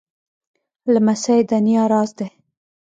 لمسی د نیا راز دی.